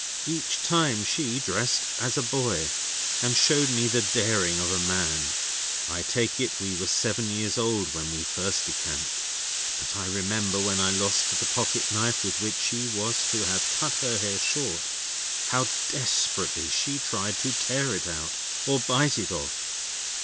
Each time she dressed as a boy, and showed the daring of a man. I take it we were seven years old when we first decamped; but I remember, when I lost the pocket knife with which she was to have cut her hair short, how desperately she tried to tear it out, or bite it off.